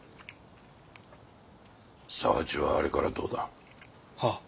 佐八はあれからどうだ？はあ。